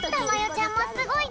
ちゃんもすごいね！